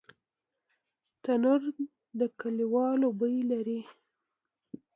تنور د کلیوالو بوی لري